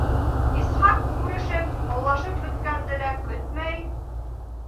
Исхаҡ, күрешеп, һаулашып бөткәнде лә көтмәй: